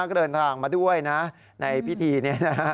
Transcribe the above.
ก็เดินทางมาด้วยนะในพิธีนี้นะฮะ